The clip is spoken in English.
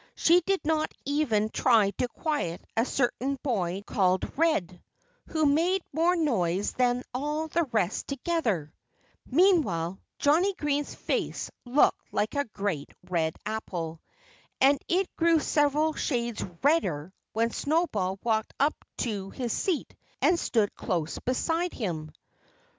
She did not even try to quiet a certain boy called "Red," who made more noise than all the rest together. Meanwhile Johnnie Green's face looked like a great red apple. And it grew several shades redder when Snowball walked up to his seat and stood close beside him.